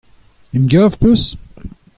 Emgav hoc'h eus ?